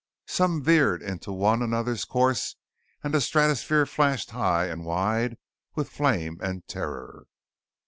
Some veered into one another's course and the stratosphere flashed high and wide with flame and terror.